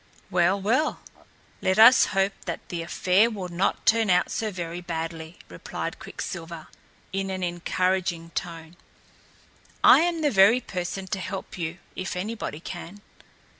"Well, well, let us hope that the affair will not turn out so very badly," replied Quicksilver in an encouraging tone. "I am the very person to help you, if anybody can.